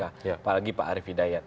apalagi pak arief hidayat